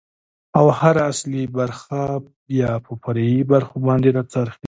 ، او هر اصلي برخه بيا په فرعي برخو باندې را څرخي.